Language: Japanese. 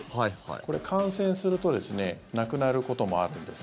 これ、感染すると亡くなることもあるんです。